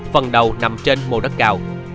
phần đầu nằm trên mô đất cao